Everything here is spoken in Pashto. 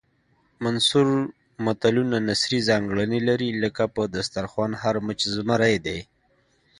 منثور متلونه نثري ځانګړنې لري لکه په دسترخوان هر مچ زمری دی